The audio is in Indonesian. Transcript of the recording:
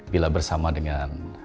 bila bersama dengan